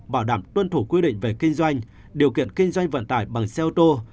bảo đảm tuân thủ quy định về kinh doanh điều kiện kinh doanh vận tải bằng xe ô tô